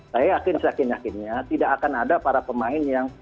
saya yakin seyakin yakinnya tidak akan ada para pemain yang